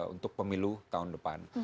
untuk pemilu tahun depan